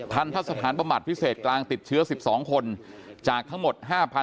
ทันทะสถานบำบัดพิเศษกลางติดเชื้อ๑๒คนจากทั้งหมด๕๐๐๐